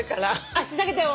足下げたよ。